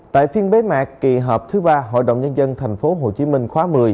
tại phiên bế mạc kỳ họp thứ ba hội đồng nhân dân tp hcm khóa một mươi